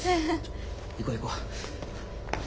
行こう行こう。